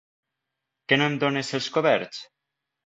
Que no em dónes els coberts?